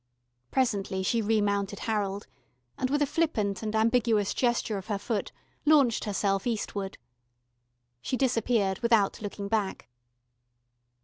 Presently she remounted Harold, and, with a flippant and ambiguous gesture of her foot, launched herself eastward. She disappeared without looking back.